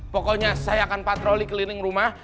pokoknya saya akan patroli keliling rumah